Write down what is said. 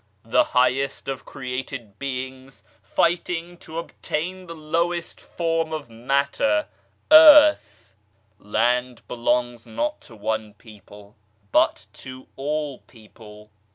The highest of created beings fighting to obtain the 24 PITIFUL CAUSES OF WAR lowest form of matter, earth ! Land belongs not to one people, but to all people.